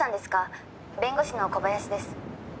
弁護士の小林です」